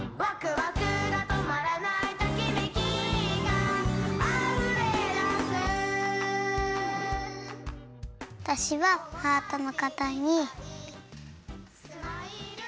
わたしはハートのかたに。